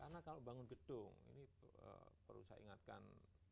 karena kalau bangun gedung ini perlu saya ingatkan